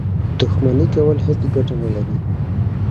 دښمني کول هېڅ ګټه نه لري.